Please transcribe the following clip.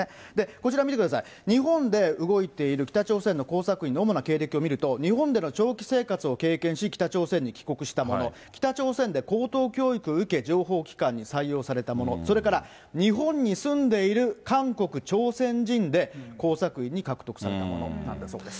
こちら見てください、日本で動いている北朝鮮の工作員の主な経歴を見ると、日本での長期生活を経験し、北朝鮮に帰国したもの、北朝鮮で高等教育を受け、情報機関に採用されたもの、それから日本に住んでいる韓国・朝鮮人で、工作員に獲得された者なんだそうです。